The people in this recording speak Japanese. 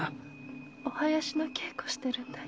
お囃子の稽古をしてるんだよ。